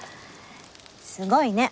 すごいね。